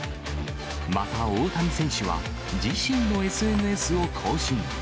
また大谷選手は、自身のＳＮＳを更新。